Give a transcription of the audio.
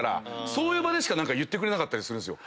そういう場でしか言ってくれなかったりするんすよ。